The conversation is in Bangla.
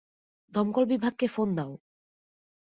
দমকল বিভাগকে ফোন দাও!